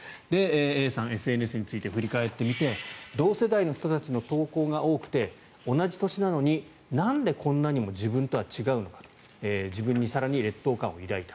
ＡさんＳＮＳについて振り返ってみて同世代の人たちの投稿が多くて同じ年なのに、なんでこんなにも自分とは違うのかと自分に更に劣等感を抱いた。